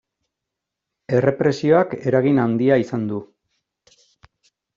Errepresioak eragin handia izan du.